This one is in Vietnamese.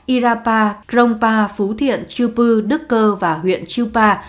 yra pa krong pa phú thiện chư pư đức cơ và huyện chư pa